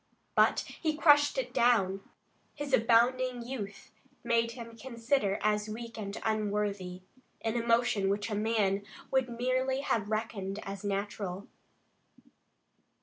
But he crushed it down. His abounding youth made him consider as weak and unworthy, an emotion which a man would merely have reckoned as natural.